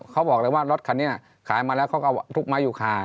เขาบอกเลยว่ารถคันนี้ขายมาแล้วเขาก็ทุกไม้อยู่คา